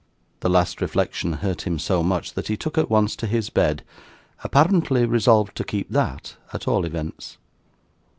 The last reflection hurt him so much, that he took at once to his bed; apparently resolved to keep that, at all events.